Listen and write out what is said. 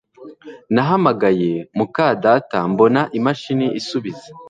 Nahamagaye muka data mbona imashini isubiza